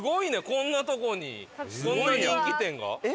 こんな所にこんな人気店が。